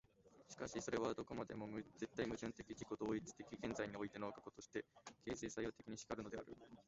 しかしそれはどこまでも絶対矛盾的自己同一的現在においての過去として、形成作用的に然るのである。